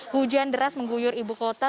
hujan deras mengguyur ibu kota